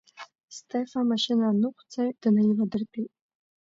Стефа амашьына аныҟәцаҩ днаивадыртәеит.